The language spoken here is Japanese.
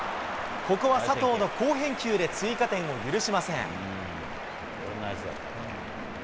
ここは佐藤の好返球で追加点を許しません。